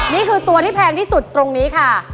นี่คือตัวที่แพงที่สุดตรงนี้ค่ะ